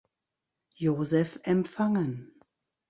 Joseph empfangen.